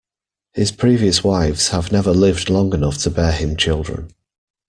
His previous wives had never lived long enough to bear him children.